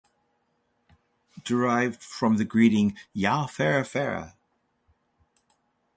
Derived from the greeting Ya Fara-Fara?